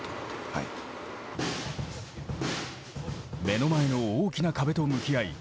目の前の大きな壁と向き合い